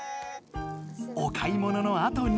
お買いもののあとに。